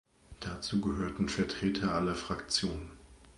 Dazu gehörten Vertreter aller Fraktionen.